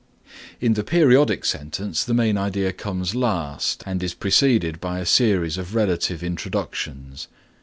In the periodic sentence the main idea comes last and is preceded by a series of relative introductions.